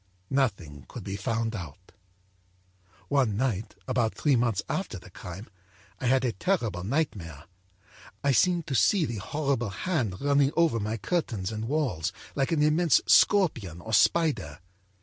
Nothing could be found out. âOne night, about three months after the crime, I had a terrible nightmare. I seemed to see the horrible hand running over my curtains and walls like an immense scorpion or spider.